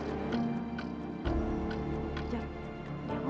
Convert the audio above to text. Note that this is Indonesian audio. di mana tempatku